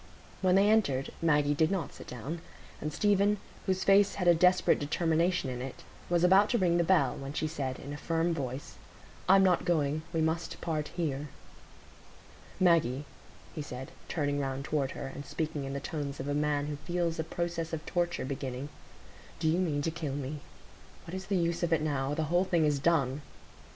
When they entered, Maggie did not sit down, and Stephen, whose face had a desperate determination in it, was about to ring the bell, when she said, in a firm voice,— "I'm not going; we must part here." "Maggie," he said, turning round toward her, and speaking in the tones of a man who feels a process of torture beginning, "do you mean to kill me? What is the use of it now? The whole thing is done."